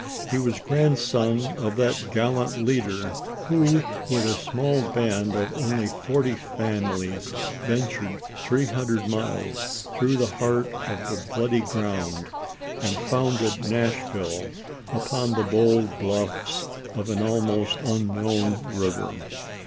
He was grandson of that gallant leader, who, with a small band of only forty families, ventured three hundred miles through the heart of the "bloody ground" and founded Nashville upon the bold bluffs of an almost unknown river!